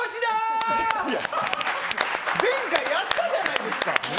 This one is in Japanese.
前回やったじゃないですか！